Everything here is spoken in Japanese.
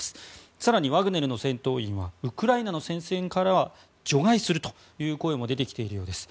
更にワグネルの戦闘員はウクライナの戦線からは除外するという声も出てきているようです。